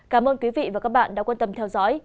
cảm ơn quý vị và các bạn đã quan tâm theo dõi